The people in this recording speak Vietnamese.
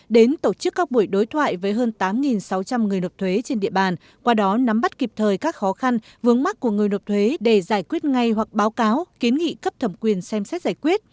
đến tổ chức các buổi đối thoại với hơn tám sáu trăm linh người nộp thuế trên địa bàn qua đó nắm bắt kịp thời các khó khăn vướng mắt của người nộp thuế để giải quyết ngay hoặc báo cáo kiến nghị cấp thẩm quyền xem xét giải quyết